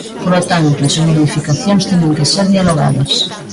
Polo tanto, esas modificacións teñen que ser dialogadas.